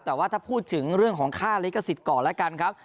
แต่ว่าถ้าพูดถึงเรื่องของค่าลิขสิทธิ์ก่อนแล้วกันครับ